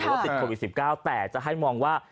ว่าติดโควิด๑๙แต่จะให้มองว่า